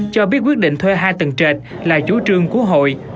cho biết quyết định thuê hai tầng trệt là chủ trương của hội